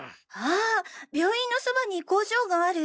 あ病院のそばに工場がある。